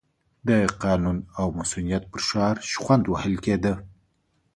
د قانون او مصونیت پر شعار شخوند وهل کېده.